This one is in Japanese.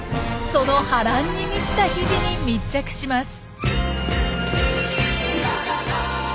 その波乱に満ちた日々に密着します。